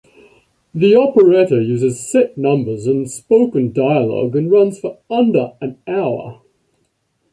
The operetta uses set numbers and spoken dialogue and runs for under an hour.